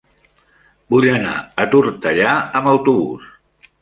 Vull anar a Tortellà amb autobús.